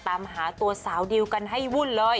ตามหาตัวสาวดิวกันให้วุ่นเลย